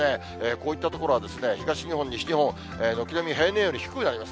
こういった所は東日本、西日本、軒並み平年より低くなります。